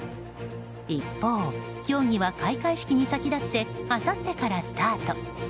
一方、競技は開会式に先立ってあさってからスタート。